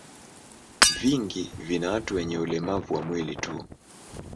Vingi vina watu wenye ulemavu wa mwili tu.